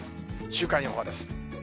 週間予報です。